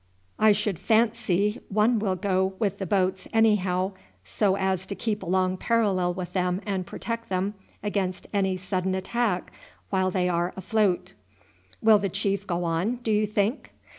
I should fancy one will go with the boats anyhow, so as to keep along parallel with them and protect them against any sudden attack while they are afloat." "Will the chief go on, do you think?"